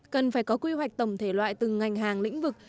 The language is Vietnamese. cần phải có quy hoạch tổng thể loại từng ngành hàng lĩnh vực